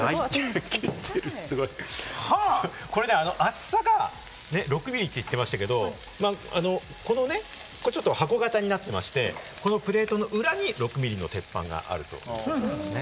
これね、厚さが６ミリって言ってましたけれども、これ箱型になってまして、このプレートの裏に６ミリの鉄板があるんですね。